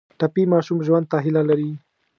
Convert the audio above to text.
ټپي ماشوم ژوند ته هیله لري.